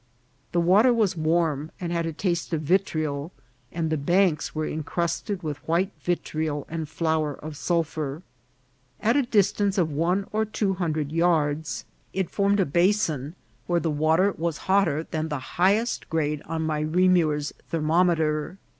The water was warm, and had a taste of vitriol, and the banks were incrusted with white vitriol and flour of sulphur. At a distance of one or two hundred yards it formed a ba 46 INCIDENTS OF TRAVEL. sin, where the water was hotter than the highest grade of my Reaumur's thermometer.